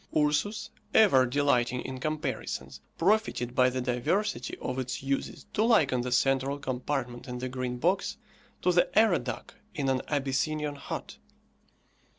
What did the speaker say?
Ursus, ever delighting in comparisons, profited by the diversity of its uses to liken the central compartment in the Green Box to the arradach in an Abyssinian hut.